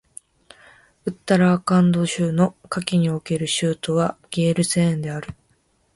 ウッタラーカンド州の夏季における州都はゲールセーンである